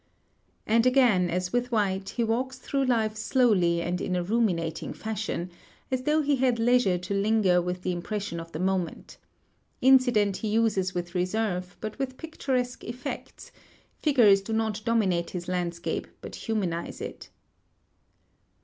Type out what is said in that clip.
And again as with White, he walks through life slowly and in a ruminating fashion, as though he had leisure to linger with the impression of the moment. Incident he uses with reserve, but with picturesque effects; figures do not dominate his landscape but humanize it.